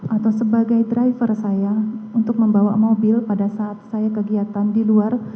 atau sebagai driver saya untuk membawa mobil pada saat saya kegiatan di luar